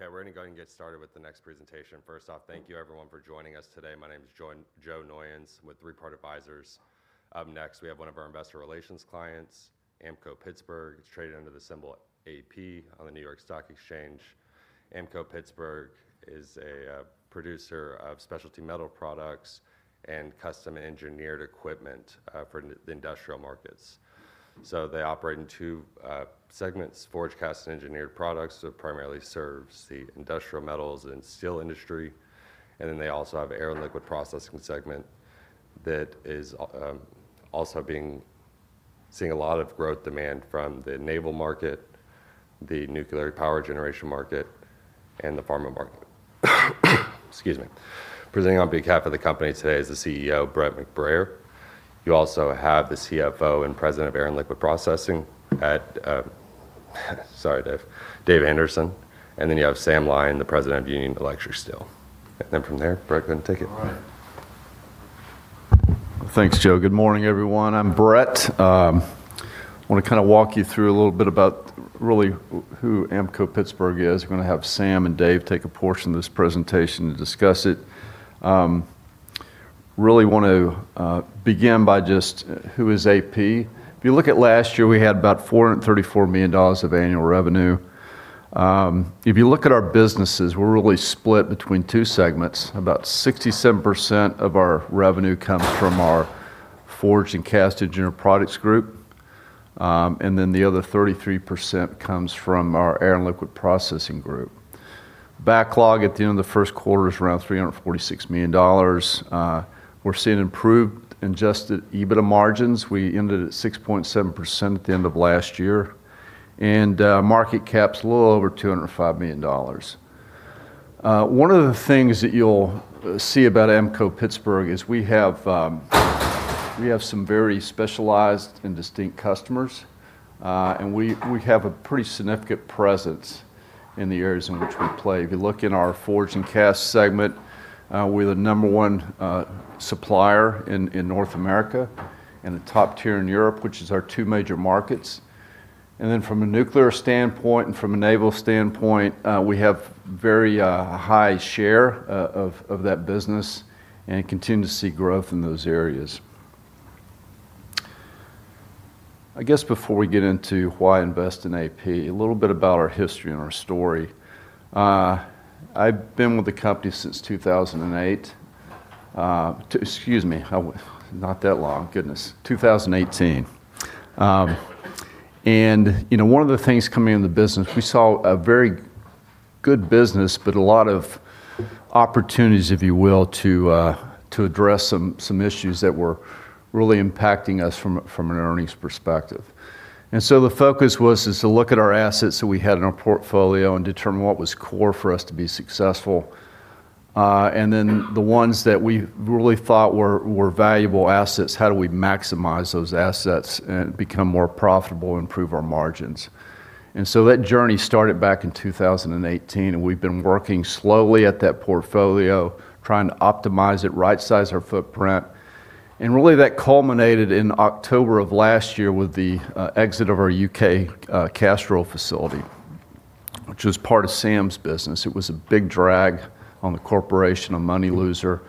Okay, we're going to go ahead and get started with the next presentation. First off, thank you everyone for joining us today. My name's Joe Noyons with Three Part Advisors. Up next, we have one of our investor relations clients, Ampco-Pittsburgh. It's traded under the symbol AP on the New York Stock Exchange. Ampco-Pittsburgh is a producer of specialty metal products and custom engineered equipment for the industrial markets. They operate in two segments, Forged and Cast Engineered Products, it primarily serves the industrial metals and steel industry. They also have Air and Liquid Processing segment that is also seeing a lot of growth demand from the naval market, the nuclear power generation market, and the pharma market. Excuse me. Presenting on behalf of the company today is the CEO, Brett McBrayer. You also have the CFO and President of Air & Liquid Systems Corporation, Dave Anderson. You have Sam Lyon, the President of Union Electric Steel. From there, Brett, go ahead and take it. All right. Thanks, Joe. Good morning, everyone. I'm Brett. I want to walk you through a little bit about really who Ampco-Pittsburgh is. We're going to have Sam and Dave take a portion of this presentation to discuss it. Want to begin by just who is AP? If you look at last year, we had about $434 million of annual revenue. If you look at our businesses, we're split between two segments. About 67% of our revenue comes from our Forged and Cast Engineered Products group. The other 33% comes from our Air and Liquid Processing group. Backlog at the end of the first quarter is around $346 million. We're seeing improved adjusted EBITDA margins. We ended at 6.7% at the end of last year. Market cap's a little over $205 million. One of the things that you'll see about Ampco-Pittsburgh is we have some very specialized and distinct customers. We have a pretty significant presence in the areas in which we play. If you look in our Forged and Cast segment, we're the number one supplier in North America and a top tier in Europe, which is our two major markets. From a nuclear standpoint and from a naval standpoint, we have very high share of that business and continue to see growth in those areas. Before we get into why invest in AP, a little bit about our history and our story. I've been with the company since 2008. Excuse me, not that long, goodness, 2018. One of the things coming into the business, we saw a very good business, but a lot of opportunities, if you will, to address some issues that were really impacting us from an earnings perspective. The focus was to look at our assets that we had in our portfolio and determine what was core for us to be successful. Then the ones that we really thought were valuable assets, how do we maximize those assets and become more profitable, improve our margins? That journey started back in 2018, and we've been working slowly at that portfolio, trying to optimize it, right-size our footprint. Really that culminated in October of last year with the exit of our U.K. cast roll facility, which was part of Sam's business. It was a big drag on the corporation, a money loser.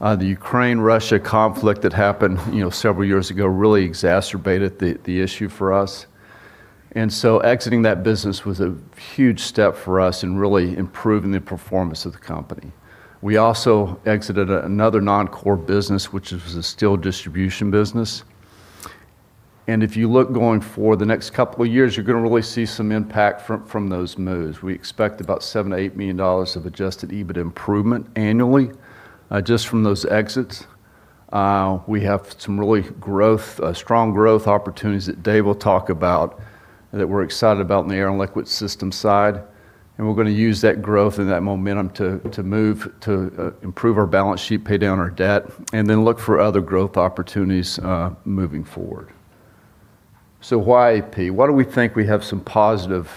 The Ukraine-Russia conflict that happened several years ago really exacerbated the issue for us. Exiting that business was a huge step for us in really improving the performance of the company. We also exited another non-core business, which was a steel distribution business. If you look going forward the next couple of years, you're going to really see some impact from those moves. We expect about $7 million-$8 million of adjusted EBIT improvement annually, just from those exits. We have some really strong growth opportunities that Dave will talk about that we're excited about on the air and liquid system side. We're going to use that growth and that momentum to move to improve our balance sheet, pay down our debt, then look for other growth opportunities moving forward. Why AP? Why do we think we have some positive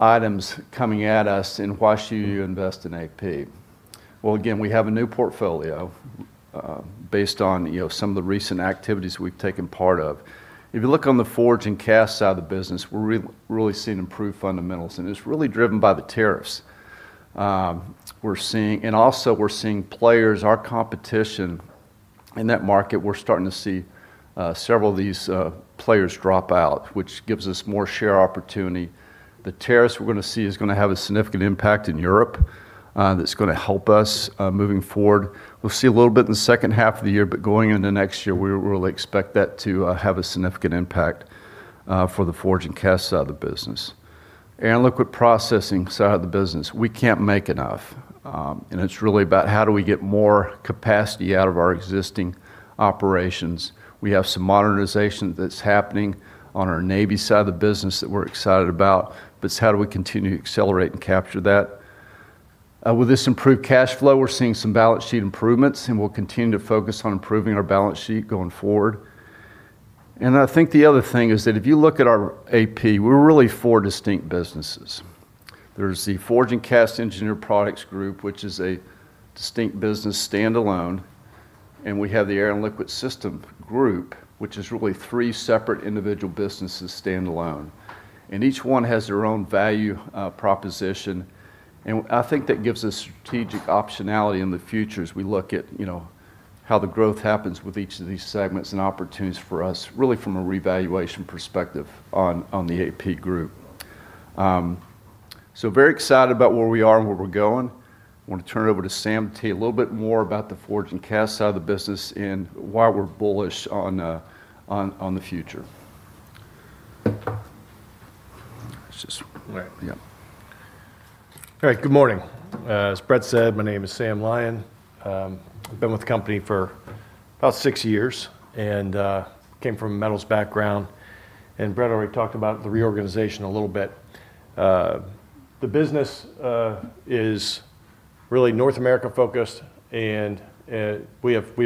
items coming at us, why should you invest in AP? Well, again, we have a new portfolio based on some of the recent activities we've taken part of. If you look on the forge and cast side of the business, we're really seeing improved fundamentals, it's really driven by the tariffs. Also we're seeing players, our competition in that market, we're starting to see several of these players drop out, which gives us more share opportunity. The tariffs we're going to see is going to have a significant impact in Europe that's going to help us moving forward. We'll see a little bit in the second half of the year, but going into next year, we really expect that to have a significant impact for the forge and cast side of the business. Air and liquid processing side of the business, we can't make enough. It's really about how do we get more capacity out of our existing operations. We have some modernization that's happening on our Navy side of the business that we're excited about, but it's how do we continue to accelerate and capture that. With this improved cash flow, we're seeing some balance sheet improvements, we'll continue to focus on improving our balance sheet going forward. I think the other thing is that if you look at our AP, we're really four distinct businesses. There's the Forged and Cast Engineered Products group, which is a distinct business standalone. We have the Air and Liquid Systems Group, which is really three separate individual businesses standalone. Each one has their own value proposition, and I think that gives us strategic optionality in the future as we look at how the growth happens with each of these segments and opportunities for us, really from a revaluation perspective on the AP group. Very excited about where we are and where we're going. I want to turn it over to Sam to tell you a little bit more about the Forged and Cast Engineered Products side of the business and why we're bullish on the future. It's just- Right. All right. Good morning. As Brett said, my name is Sam Lyon. I've been with the company for about six years and came from a metals background, Brett already talked about the reorganization a little bit. The business is really North America-focused, we have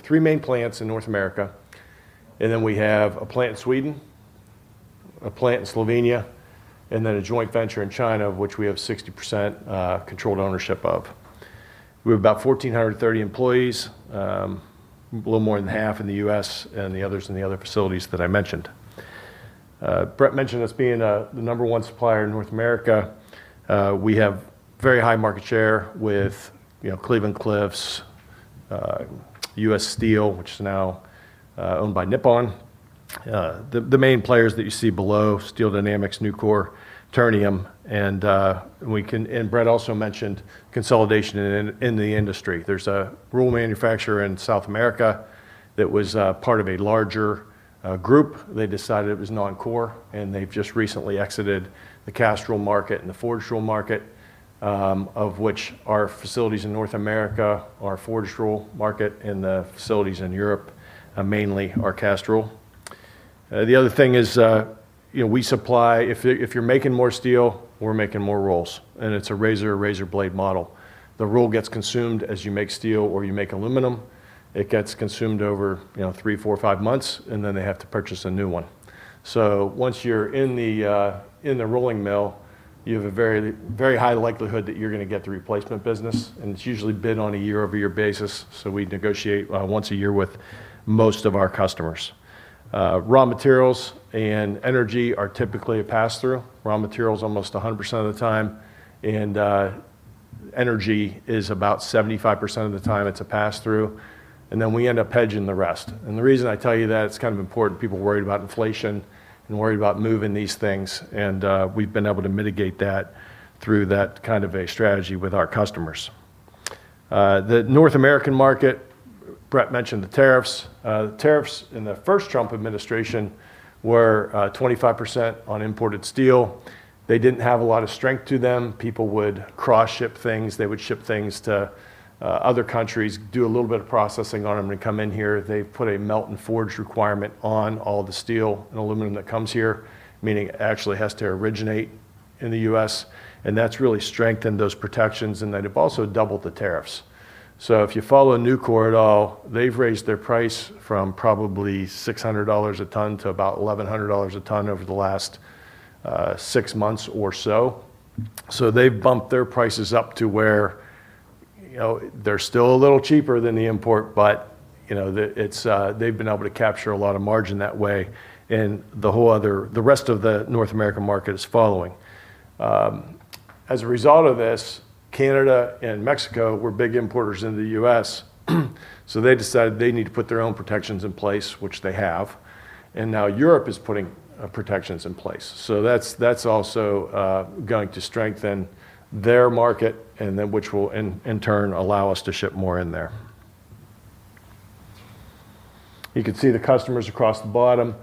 three main plants in North America, then we have a plant in Sweden, a plant in Slovenia, then a joint venture in China, of which we have 60% controlled ownership of. We have about 1,430 employees, a little more than half in the U.S., and the others in the other facilities that I mentioned. Brett mentioned us being the number one supplier in North America. We have very high market share with Cleveland-Cliffs, U.S. Steel, which is now owned by Nippon. The main players that you see below, Steel Dynamics, Nucor, Ternium, Brett also mentioned consolidation in the industry. There's a roll manufacturer in South America that was part of a larger group. They decided it was non-core, they've just recently exited the cast roll market and the forged roll market, of which our facilities in North America are forged roll market, the facilities in Europe mainly are cast roll. The other thing is if you're making more steel, we're making more rolls, it's a razor blade model. The roll gets consumed as you make steel or you make aluminum. It gets consumed over three, four, five months, then they have to purchase a new one. Once you're in the rolling mill, you have a very high likelihood that you're going to get the replacement business, it's usually bid on a year-over-year basis, so we negotiate once a year with most of our customers. Raw materials and energy are typically a pass-through. Raw material is almost 100% of the time, and energy is about 75% of the time it's a pass-through. Then we end up hedging the rest. The reason I tell you that, it's kind of important, people are worried about inflation and worried about moving these things, and we've been able to mitigate that through that kind of a strategy with our customers. The North American market, Brett mentioned the tariffs. The tariffs in the first Trump administration were 25% on imported steel. They didn't have a lot of strength to them. People would cross-ship things. They would ship things to other countries, do a little bit of processing on them, and come in here. They put a melt and forge requirement on all the steel and aluminum that comes here, meaning it actually has to originate in the U.S. That's really strengthened those protections. Then they've also doubled the tariffs. If you follow Nucor at all, they've raised their price from probably $600 a ton to about $1,100 a ton over the last six months or so. They've bumped their prices up to where they're still a little cheaper than the import, but they've been able to capture a lot of margin that way. The rest of the North American market is following. As a result of this, Canada and Mexico were big importers into the U.S. They decided they need to put their own protections in place, which they have. Now Europe is putting protections in place. That's also going to strengthen their market, which will, in turn, allow us to ship more in there. You can see the customers across the bottom.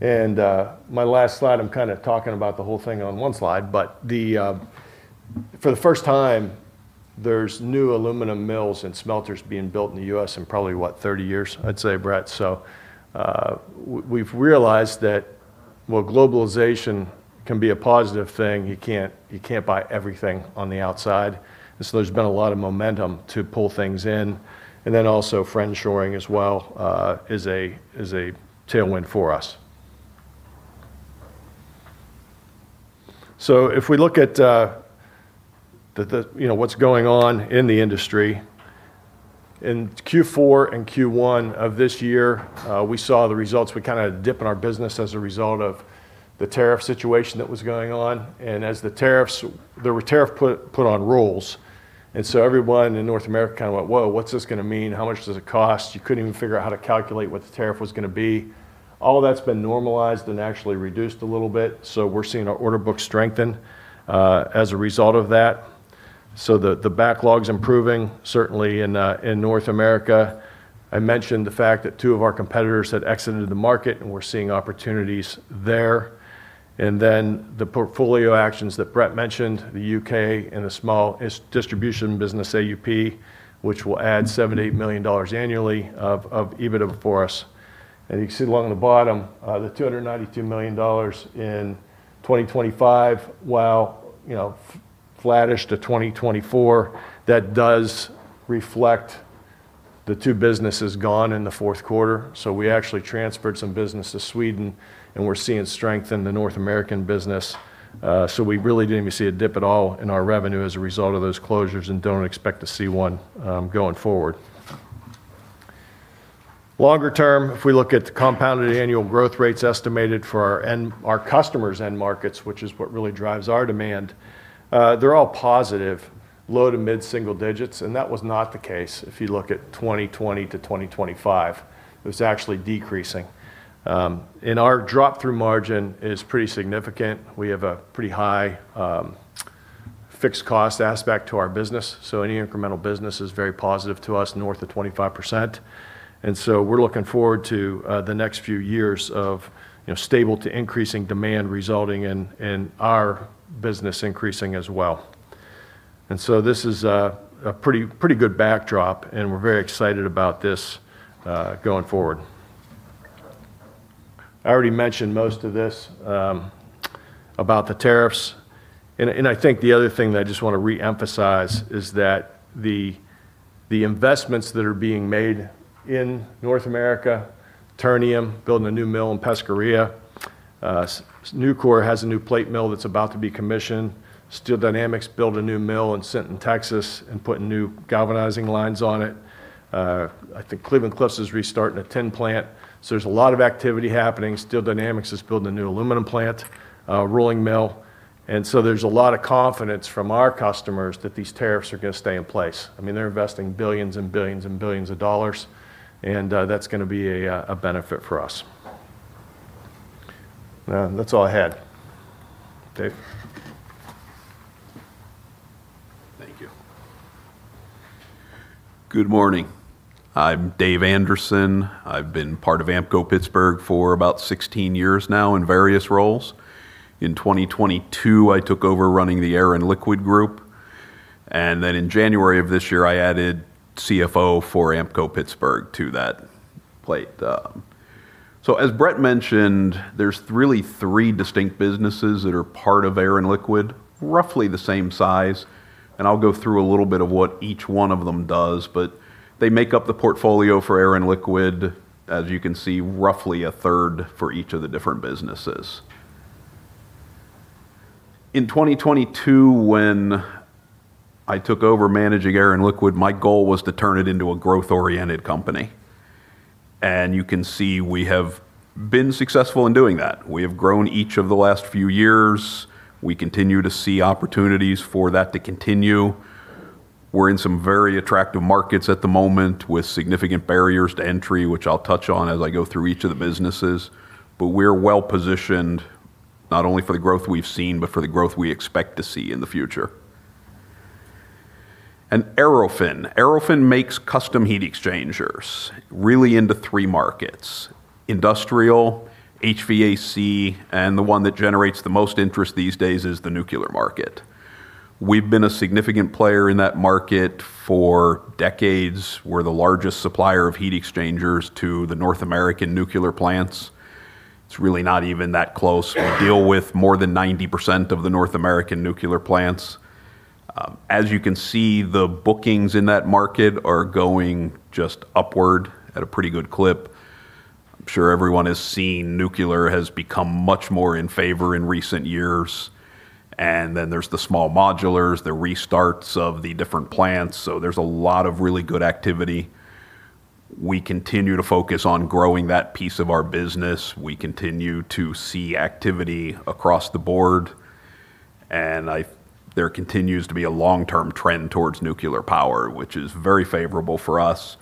My last slide, I'm kind of talking about the whole thing on one slide, but for the first time, there's new aluminum mills and smelters being built in the U.S. in probably, what, 30 years, I'd say, Brett. We've realized that while globalization can be a positive thing, you can't buy everything on the outside. There's been a lot of momentum to pull things in. Also friendshoring as well is a tailwind for us. If we look at what's going on in the industry, in Q4 and Q1 of this year, we saw the results. We had a dip in our business as a result of the tariff situation that was going on. There were tariff put on rolls. Everyone in North America kind of went, "Whoa, what's this going to mean? How much does it cost?" You couldn't even figure out how to calculate what the tariff was going to be. All that's been normalized and actually reduced a little bit. We're seeing our order book strengthen as a result of that. The backlog's improving, certainly in North America. I mentioned the fact that two of our competitors had exited the market. We're seeing opportunities there. Then the portfolio actions that Brett mentioned, the U.K., and the small distribution business, AUP, which will add $7 million-$8 million annually of EBITDA for us. You can see along the bottom, the $292 million in 2025, while flattish to 2024, that does reflect the two businesses gone in the fourth quarter. We actually transferred some business to Sweden, and we're seeing strength in the North American business. We really didn't even see a dip at all in our revenue as a result of those closures and don't expect to see one going forward. Longer term, if we look at the compounded annual growth rates estimated for our customers' end markets, which is what really drives our demand, they're all positive, low to mid single digits, and that was not the case if you look at 2020-2025. It was actually decreasing. Our drop-through margin is pretty significant. We have a pretty high fixed cost aspect to our business, so any incremental business is very positive to us, north of 25%. We're looking forward to the next few years of stable to increasing demand resulting in our business increasing as well. This is a pretty good backdrop, and we're very excited about this going forward. I already mentioned most of this about the tariffs, and I think the other thing that I just want to re-emphasize is that the investments that are being made in North America, Ternium building a new mill in Pesquería. Nucor has a new plate mill that's about to be commissioned. Steel Dynamics built a new mill in Sinton, Texas, and putting new galvanizing lines on it. I think Cleveland-Cliffs is restarting a tin plant. There's a lot of activity happening. Steel Dynamics is building a new aluminum plant, a rolling mill. There's a lot of confidence from our customers that these tariffs are going to stay in place. They're investing billions and billions and billions of dollars, and that's going to be a benefit for us. That's all I had. Dave. Thank you. Good morning. I'm Dave Anderson. I've been part of Ampco-Pittsburgh for about 16 years now in various roles. In 2022, I took over running the Air and Liquid Group, and then in January of this year, I added CFO for Ampco-Pittsburgh to that plate. As Brett mentioned, there's really three distinct businesses that are part of Air and Liquid, roughly the same size, and I'll go through a little bit of what each one of them does, but they make up the portfolio for Air and Liquid, as you can see, roughly a third for each of the different businesses. In 2022, when I took over managing Air and Liquid, my goal was to turn it into a growth-oriented company. You can see we have been successful in doing that. We have grown each of the last few years. We continue to see opportunities for that to continue. We're in some very attractive markets at the moment with significant barriers to entry, which I'll touch on as I go through each of the businesses. We're well-positioned not only for the growth we've seen, but for the growth we expect to see in the future. Aerofin. Aerofin makes custom heat exchangers, really into three markets: industrial, HVAC, and the one that generates the most interest these days is the nuclear market. We've been a significant player in that market for decades. We're the largest supplier of heat exchangers to the North American nuclear plants. It's really not even that close. We deal with more than 90% of the North American nuclear plants. As you can see, the bookings in that market are going just upward at a pretty good clip. I'm sure everyone has seen nuclear has become much more in favor in recent years. There's the small modulars, the restarts of the different plants, there's a lot of really good activity. We continue to focus on growing that piece of our business. We continue to see activity across the board, there continues to be a long-term trend towards nuclear power, which is very favorable for us.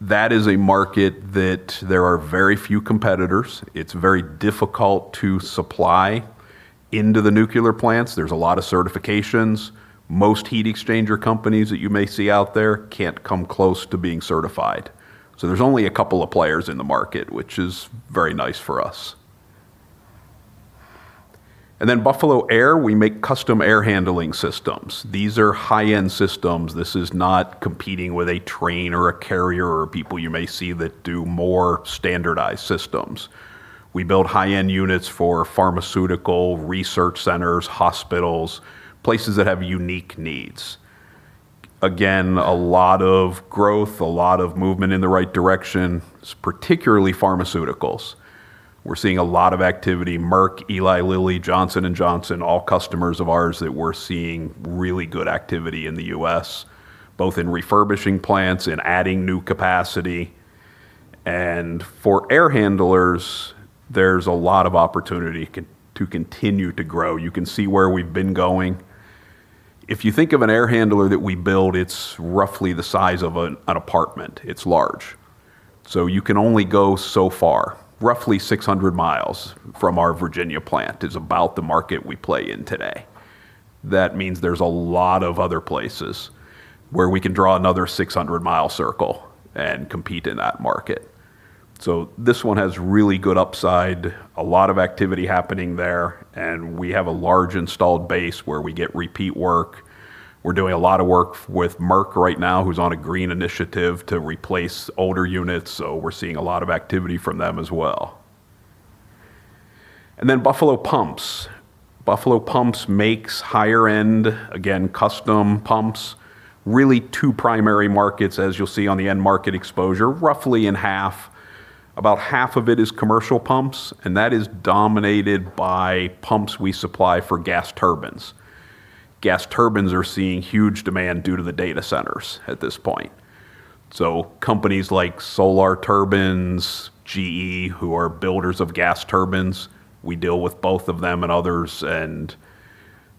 That is a market that there are very few competitors. It's very difficult to supply into the nuclear plants. There's a lot of certifications. Most heat exchanger companies that you may see out there can't come close to being certified. There's only a couple of players in the market, which is very nice for us. Buffalo Air, we make custom air handling systems. These are high-end systems. This is not competing with a Trane or a Carrier or people you may see that do more standardized systems. We build high-end units for pharmaceutical research centers, hospitals, places that have unique needs. Again, a lot of growth, a lot of movement in the right direction. It's particularly pharmaceuticals. We're seeing a lot of activity. Merck, Eli Lilly, Johnson & Johnson, all customers of ours that we're seeing really good activity in the U.S., both in refurbishing plants and adding new capacity. For air handlers, there's a lot of opportunity to continue to grow. You can see where we've been going. If you think of an air handler that we build, it's roughly the size of an apartment. It's large. You can only go so far. Roughly 600 miles from our Virginia plant is about the market we play in today. That means there's a lot of other places where we can draw another 600-mile circle and compete in that market. This one has really good upside, a lot of activity happening there, and we have a large installed base where we get repeat work. We're doing a lot of work with Merck right now, who's on a green initiative to replace older units. We're seeing a lot of activity from them as well. Buffalo Pumps. Buffalo Pumps makes higher-end, again, custom pumps. Really two primary markets, as you'll see on the end market exposure, About half of it is commercial pumps, and that is dominated by pumps we supply for gas turbines. Gas turbines are seeing huge demand due to the data centers at this point. Companies like Solar Turbines, GE, who are builders of gas turbines, we deal with both of them and others, and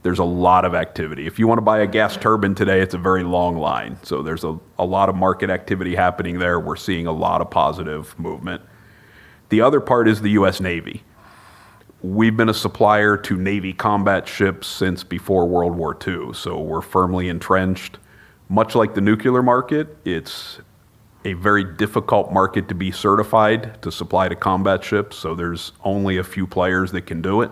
there's a lot of activity. If you want to buy a gas turbine today, it's a very long line. There's a lot of market activity happening there. We're seeing a lot of positive movement. The other part is the U.S. Navy. We've been a supplier to Navy combat ships since before World War II, so we're firmly entrenched. Much like the nuclear market, it's a very difficult market to be certified to supply to combat ships, so there's only a few players that can do it.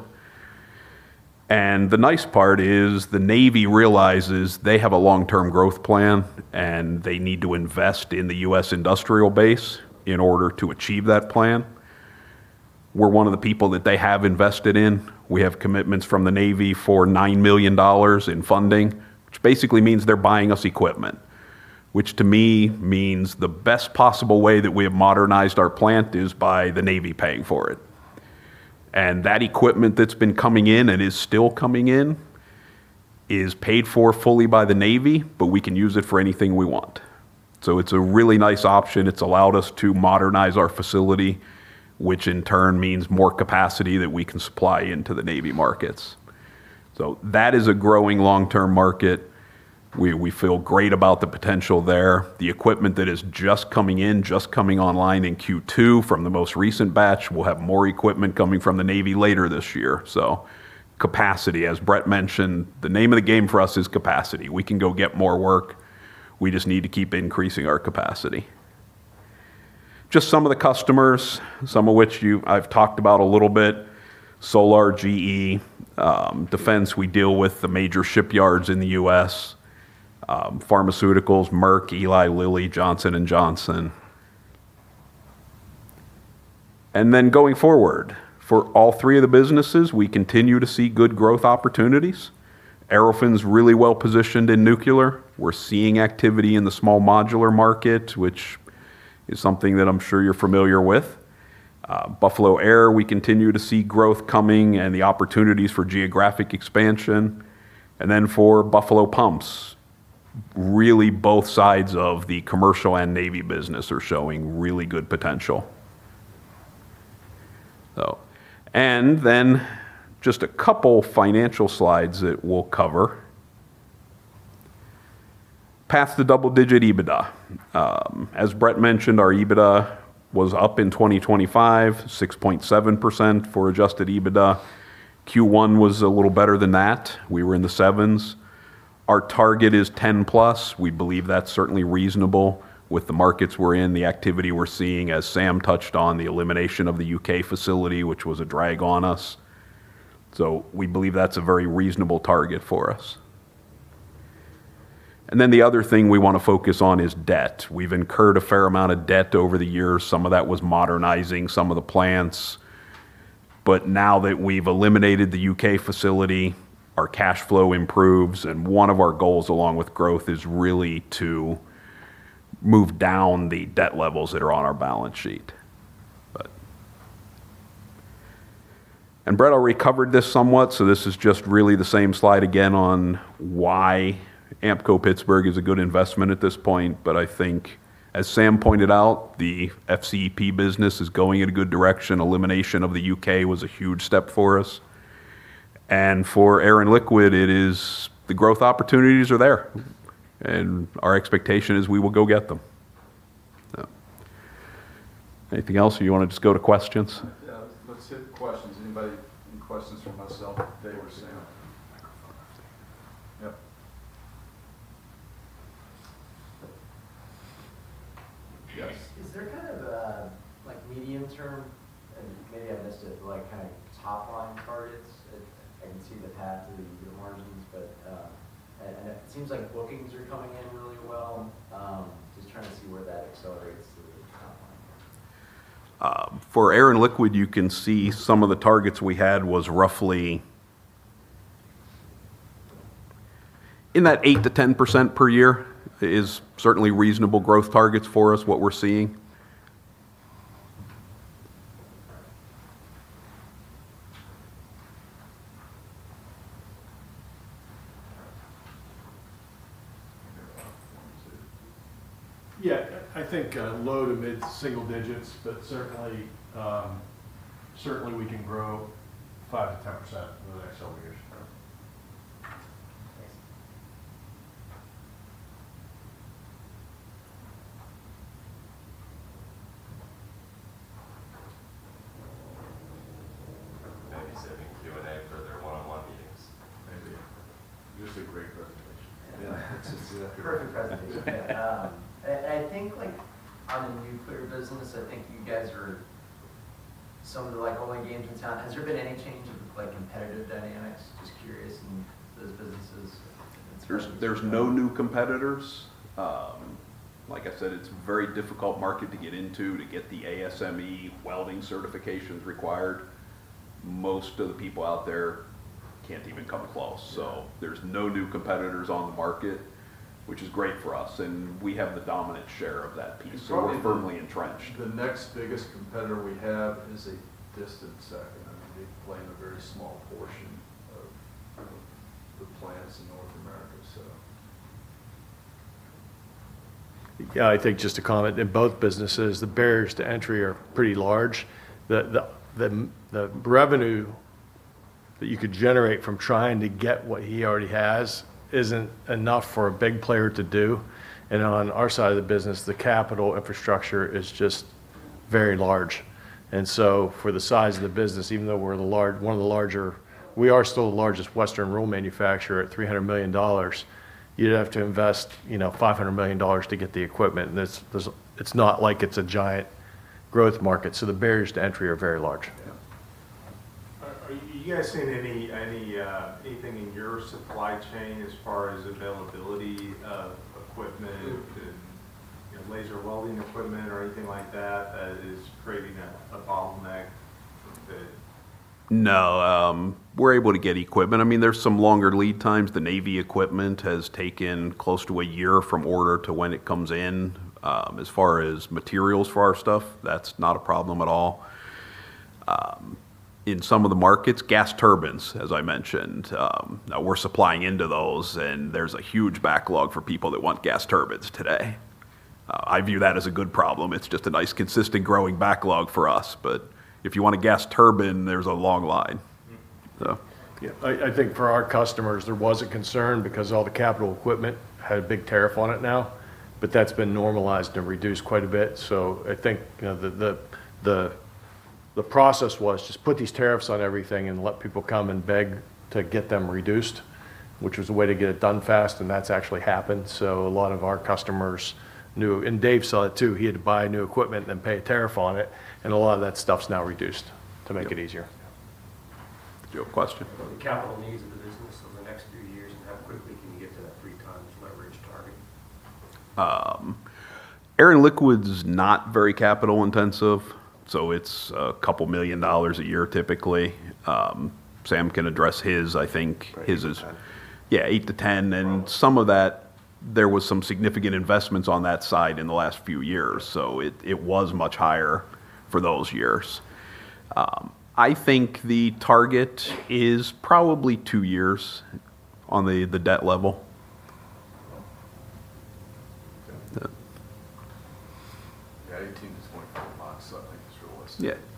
The nice part is the Navy realizes they have a long-term growth plan, and they need to invest in the U.S. industrial base in order to achieve that plan. We're one of the people that they have invested in. We have commitments from the Navy for $9 million in funding, which basically means they're buying us equipment. Which to me means the best possible way that we have modernized our plant is by the Navy paying for it. That equipment that's been coming in and is still coming in is paid for fully by the Navy, but we can use it for anything we want. It's a really nice option. It's allowed us to modernize our facility, which in turn means more capacity that we can supply into the Navy markets. That is a growing long-term market. We feel great about the potential there. The equipment that is just coming in, just coming online in Q2 from the most recent batch, we'll have more equipment coming from the Navy later this year. Capacity, as Brett mentioned, the name of the game for us is capacity. We can go get more work. We just need to keep increasing our capacity. Just some of the customers, some of which I've talked about a little bit. Solar, GE. Defense, we deal with the major shipyards in the U.S. Pharmaceuticals, Merck, Eli Lilly, Johnson & Johnson. Going forward, for all three of the businesses, we continue to see good growth opportunities. Aerofin's really well positioned in nuclear. We're seeing activity in the small modular market, which is something that I'm sure you're familiar with. Buffalo Air, we continue to see growth coming and the opportunities for geographic expansion. For Buffalo Pumps, really both sides of the commercial and Navy business are showing really good potential. Just a couple financial slides that we'll cover. Path to double-digit EBITDA. As Brett mentioned, our EBITDA was up in 2025, 6.7% for adjusted EBITDA. Q1 was a little better than that. We were in the sevens. Our target is 10+. We believe that's certainly reasonable with the markets we're in, the activity we're seeing, as Sam touched on, the elimination of the U.K. facility, which was a drag on us. We believe that's a very reasonable target for us. The other thing we want to focus on is debt. We've incurred a fair amount of debt over the years. Some of that was modernizing some of the plants. Now that we've eliminated the U.K. facility, our cash flow improves, and one of our goals, along with growth, is really to move down the debt levels that are on our balance sheet. Brett already covered this somewhat, this is just really the same slide again on why Ampco-Pittsburgh is a good investment at this point. I think, as Sam pointed out, the FCEP business is going in a good direction. Elimination of the U.K. was a huge step for us. For Air and Liquid, the growth opportunities are there, and our expectation is we will go get them. Anything else, or you want to just go to questions? Yeah, let's hit questions. Anybody, any questions for myself, Dave, or Sam? Microphone. Yep. Yes. Is there kind of a medium term, and maybe I missed it, kind of top line targets? I can see the path to the margins, and it seems like bookings are coming in really well. Just trying to see where that accelerates to the top line. For Air and Liquid, you can see some of the targets we had was roughly in that 8%-10% per year is certainly reasonable growth targets for us, what we're seeing. Yeah. I think low to mid-single digits, but certainly we can grow 5%-10% for the next several years from. Thanks. Maybe saving Q&A for their one-on-one meetings. Maybe. Just a great presentation. Yeah. Perfect presentation. I think on the nuclear business, you guys are some of the only games in town. Has there been any change in the competitive dynamics? Just curious in those businesses. There's no new competitors. Like I said, it's a very difficult market to get into to get the ASME welding certifications required. Most of the people out there can't even come close. Yeah. There's no new competitors on the market, which is great for us, and we have the dominant share of that piece. Probably- We're firmly entrenched The next biggest competitor we have is a distant second. They play in a very small portion of the plants in North America. I think just to comment, in both businesses, the barriers to entry are pretty large. The revenue that you could generate from trying to get what he already has isn't enough for a big player to do. On our side of the business, the capital infrastructure is just very large. For the size of the business, even though we're one of the larger We are still the largest Western roll manufacturer at $300 million. You'd have to invest $500 million to get the equipment. It's not like it's a giant growth market, so the barriers to entry are very large. Yeah. Are you guys seeing anything in your supply chain as far as availability of equipment and laser welding equipment or anything like that is creating a bottleneck that? No, we're able to get equipment. There are some longer lead times. The Navy equipment has taken close to a year from order to when it comes in. As far as materials for our stuff, that's not a problem at all. In some of the markets, gas turbines, as I mentioned, we're supplying into those and there's a huge backlog for people that want gas turbines today. I view that as a good problem. It's just a nice, consistent growing backlog for us. If you want a gas turbine, there's a long line. Yeah. I think for our customers, there was a concern because all the capital equipment had a big tariff on it now, that's been normalized and reduced quite a bit. I think the process was just put these tariffs on everything and let people come and beg to get them reduced, which was a way to get it done fast, and that's actually happened. A lot of our customers knew, and Dave saw it too. He had to buy new equipment, then pay a tariff on it, and a lot of that stuff's now reduced to make it easier. Do you have a question? The capital needs of the business over the next few years, how quickly can you get to that three times leverage target? Air and Liquid is not very capital-intensive, so it's a couple million dollars a year typically. Sam can address his. $8 million-$10 million Yeah, $8 million-$10 million. Some of that, there was some significant investments on that side in the last few years, so it was much higher for those years. I think the target is probably two years on the debt level. Okay. Yeah. Yeah, 2018 was 24 months, so I think it's realistic. Yeah. Anybody else? That's it for today. Thank you. All right. Thank you very much.